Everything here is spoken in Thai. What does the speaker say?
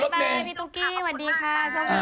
ไปบายพี่ตุ๊กจี้สวัสดีค่ะ